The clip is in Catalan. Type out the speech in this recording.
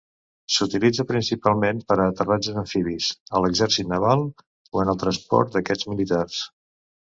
S'utilitza principalment per a aterratges amfibis a l'exèrcit naval o en el transport d'aquests militars.